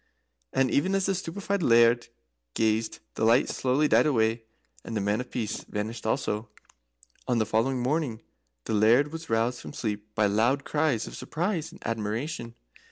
And even as the stupefied Laird gazed, the light slowly died away, and the Man of Peace vanished also. On the following morning the Laird was roused from sleep by loud cries of surprise and admiration.